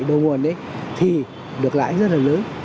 đầu nguồn ấy thì được lãi rất là lớn